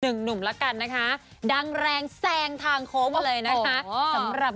หนึ่งหนุ่มละกันนะคะดังแรงแสงทางโค้มเลยนะคะโอ้โหสำหรับ